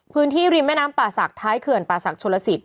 พื้นที่ริมแม่น้ำป่าศักดิ์ท้ายเขือนป่าศักดิ์โฉรสิทธิ์